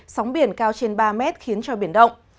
sóng biển cao trên ba mét khiến cho biển động